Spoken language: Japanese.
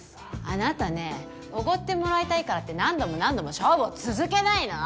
あなたねぇ奢ってもらいたいからって何度も何度も勝負を続けないの！